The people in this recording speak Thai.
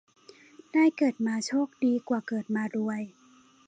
ได้เกิดมาโชคดีกว่าเกิดมารวย